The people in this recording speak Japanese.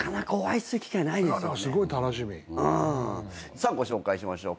さあご紹介しましょう。